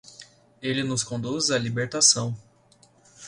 Ele nos conduz à libertação